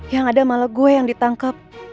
yang ada malah gue yang ditangkap